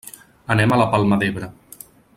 Anem a la Palma d'Ebre.